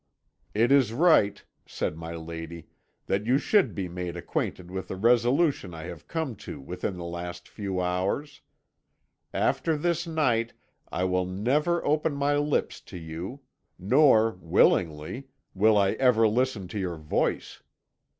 "'It is right,' said my lady, 'that you should be made acquainted with a resolution I have come to within the last few hours. After this night I will never open my lips to you, nor, willingly, will I ever listen to your voice.